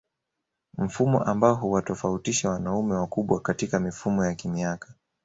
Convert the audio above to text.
Mfumo ambao huwatofautisha wanaume wakubwa katika mifumo ya kimiaka